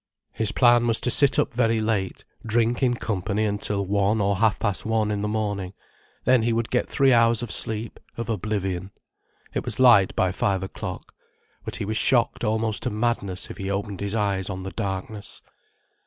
His plan was to sit up very late: drink in company until one or half past one in the morning; then he would get three hours of sleep, of oblivion. It was light by five o'clock. But he was shocked almost to madness if he opened his eyes on the darkness.